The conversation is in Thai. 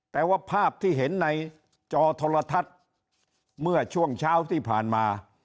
แต่ว่าภาพที่เห็นในจอโทรทัศน์เมื่อช่วงเช้าที่ผ่านมา